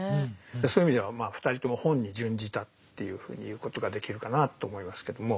そういう意味では２人とも本に殉じたっていうふうに言うことができるかなと思いますけども。